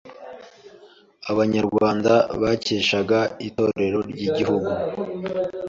Abanyarwanda bakeshaga Itorero ry’Igihugu.